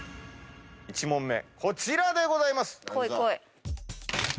１問目こちらでございます！